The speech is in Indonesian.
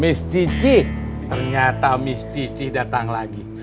miss cici ternyata miss cici datang lagi